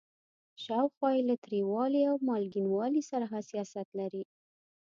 شاوخوا یې له تریوالي او مالګینوالي سره حساسیت لري.